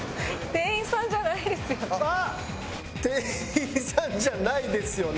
「店員さんじゃないですよね？」。